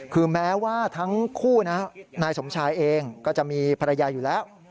คือแม้ว่าทั้งคู่นะนายสมชายเองก็จะมีภรรยาอยู่แล้ว